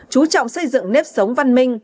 chú trọng xây dựng nếp sống văn minh